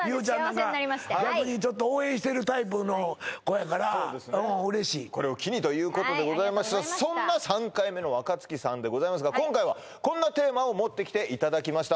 幸せになりまして逆にちょっと応援してるタイプの子やから嬉しいこれを機にということでございますがそんな３回目の若槻さんでございますが今回はこんなテーマを持ってきていただきました